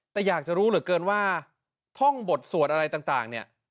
แต่อยากจะรู้เหลือเกินว่าท่องบทสวดอะไรต่างเนี่ย